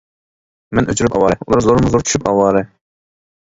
مەن ئۆچۈرۈپ ئاۋارە ئۇلار زورمۇ زور چۈشۈپ ئاۋارە.